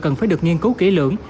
cần phải được nghiên cứu kỹ lưỡng